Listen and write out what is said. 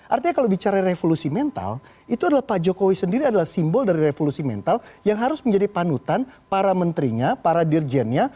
artinya kalau bicara revolusi mental itu adalah pak jokowi sendiri adalah simbol dari revolusi mental yang harus menjadi panutan para menterinya para dirjennya